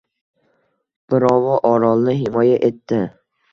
Birovi Orolni himoya etdi.